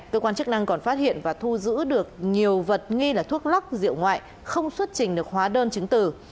cơ quan chức năng còn phát hiện và thu giữ được nhiều vật nghi là thuốc lắc rượu ngoại không xuất trình được hóa đơn chứng từ